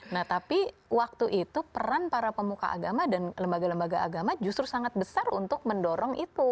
nah tapi waktu itu peran para pemuka agama dan lembaga lembaga agama justru sangat besar untuk mendorong itu